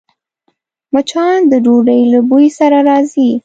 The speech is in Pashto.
مچان د ډوډۍ له بوی سره راځي